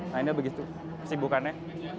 nah ini begitu kesibukannya